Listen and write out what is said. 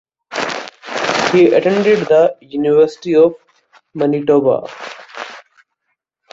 He attended the University of Manitoba.